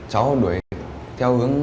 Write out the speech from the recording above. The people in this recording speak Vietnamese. cháu đuổi theo hướng